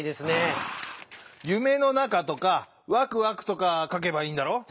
あ「ゆめのなか」とか「ワクワク」とかかけばいいんだろう？